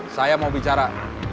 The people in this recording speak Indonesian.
saya mau bicara